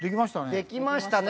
できましたね。